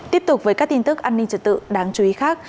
tiếp tục với các tin tức an ninh trật tự đáng chú ý khác